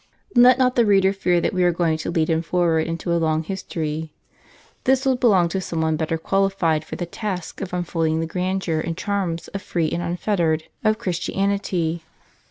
Let not the reader fear that we are going to lead him forward into a long his tory. This will belong to some one better qualified, for the task of unfolding the grandeur and charms of free and unfettered of Christianity.